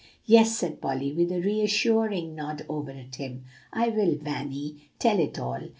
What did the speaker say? "Yes," said Polly, with a reassuring nod over at him, "I will Vanny, tell it all.